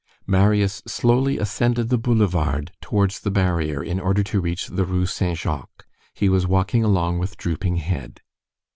Marius slowly ascended the boulevard towards the barrier, in order to reach the Rue Saint Jacques. He was walking along with drooping head.